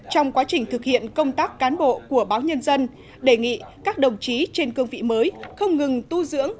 trong quá trình thực hiện công tác cán bộ của báo nhân dân đề nghị các đồng chí trên cương vị mới không ngừng tu dưỡng